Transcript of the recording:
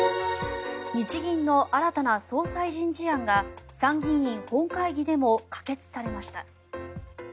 日銀の新たな総裁人事案が参議院本会議でも可決されました。